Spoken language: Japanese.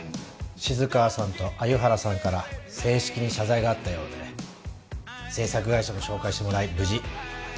静川さんと鮎原さんから正式に謝罪があったようで制作会社も紹介してもらい無事仕事も続けられると。